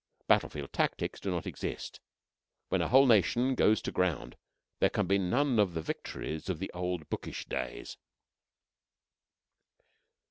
Battlefield tactics do not exist; when a whole nation goes to ground there can be none of the "victories" of the old bookish days.